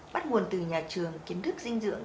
bắt nguồn từ nhà trường kiến thức dinh dưỡng